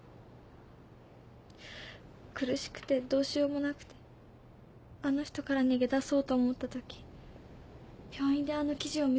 苦しくてどうしようもなくてあの人から逃げ出そうと思ったとき病院であの記事を見つけたんです。